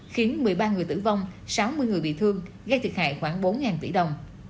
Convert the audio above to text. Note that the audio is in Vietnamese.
khiến một mươi ba người tử vong sáu mươi người bị thương gây thiệt hại khoảng bốn tỷ đồng